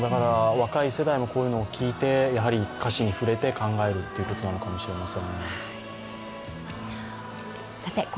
若い世代もこういうのを聴いて、歌詞に触れて考えるということなのかもしれません。